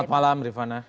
selamat malam rifana